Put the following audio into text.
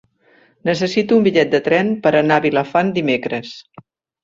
Necessito un bitllet de tren per anar a Vilafant dimecres.